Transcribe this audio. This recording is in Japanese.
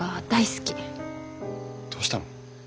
どうしたの？